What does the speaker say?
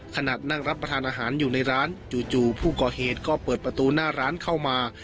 ขณะนั่งรับประทานอาหารอยู่ในร้านจู่ผู้ก่อเหตุก็เปิดประตูหน้าร้านเข้ามา